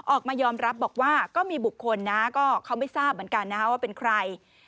ออกมายอมรับบอกว่าก็มีบุคคลนะก็เขาไม่ทราบเหมือนกันนะว่าเป็นใคร